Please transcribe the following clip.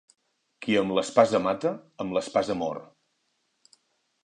Qui amb l'espasa mata, amb l'espasa mor.